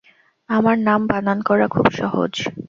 আমার নাম বানান করা খুব সহজ।